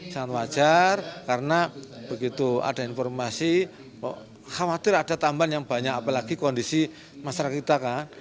sangat wajar karena begitu ada informasi khawatir ada tambahan yang banyak apalagi kondisi masyarakat kita kan